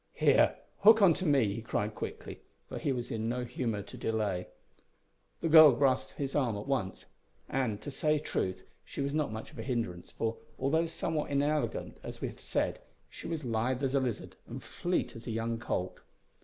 "Here, hook on to me," he cried quickly, for he was in no humour to delay. The girl grasped his arm at once, and, to say truth, she was not much of a hindrance, for, although somewhat inelegant, as we have said, she was lithe as a lizard and fleet as a young colt.